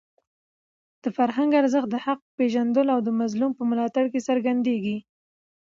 د فرهنګ ارزښت د حق په پېژندلو او د مظلوم په ملاتړ کې څرګندېږي.